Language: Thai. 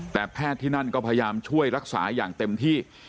แต่แพทย์ที่นั่นก็พยายามช่วยรักษาอย่างเต็มที่